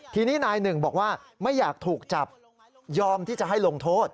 ทีนี้นายหนึ่งบอกว่าไม่อยากถูกจับยอมที่จะให้ลงโทษ